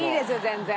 全然。